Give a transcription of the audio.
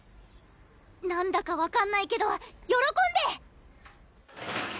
なんだか分かんないけどよろこんで！